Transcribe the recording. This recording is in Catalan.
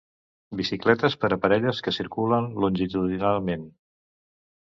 Bicicletes per a parelles que circulen longitudinalment.